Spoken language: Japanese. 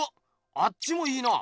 あっちもいいな！